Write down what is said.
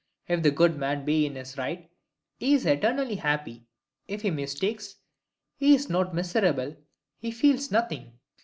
If the good man be in the right, he is eternally happy; if he mistakes, he is not miserable, he feels nothing.